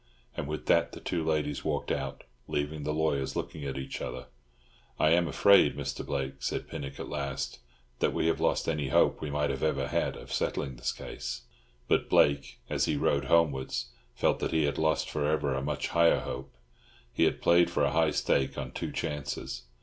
And with that the two ladies walked out, leaving the lawyers looking at each other. "I am afraid, Mr. Blake" said Pinnock at last, "that we have lost any hope we might ever have had of settling this case." But Blake, as he rode homewards, felt that he had lost for ever a much higher hope. He had played for a high stake on two chances.